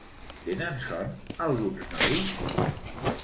Tenen son alguns nois?